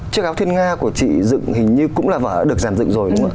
chiếc áo thiên nga của chị dựng hình như cũng là vở được giản dựng rồi đúng không ạ